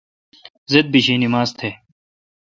زید بیشی نما ز تہ۔